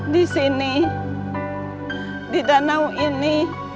di sini di danau ini